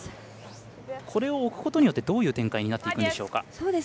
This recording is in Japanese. これを置くことによってどういう展開になるんでしょうか。